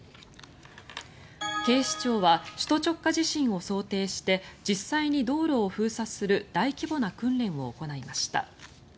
警視庁は首都直下地震を想定して実際に道路を封鎖する大規模な訓練を行いました。